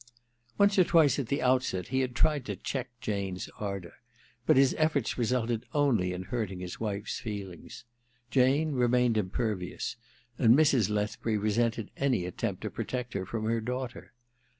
Once or twice, at the outset, he had tried to check Jane's ardour ; but his efforts resulted only in hurting his wife's feelings. Jane re mained impervious, and Mrs. Lethbury resented any attempt to protect her from her daughter.